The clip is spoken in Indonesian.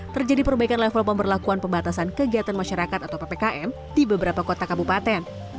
terjadi perbaikan level pemberlakuan pembatasan kegiatan masyarakat atau ppkm di beberapa kota kabupaten